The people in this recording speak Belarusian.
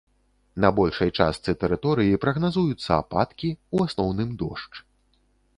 На большай частцы тэрыторыі прагназуюцца ападкі, у асноўным дождж.